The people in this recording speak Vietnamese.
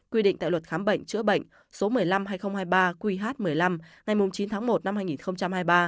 quy định tại luật khám bệnh chữa bệnh số một mươi năm hai nghìn hai mươi ba qh một mươi năm ngày chín tháng một năm hai nghìn hai mươi ba